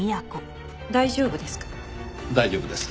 大丈夫ですか？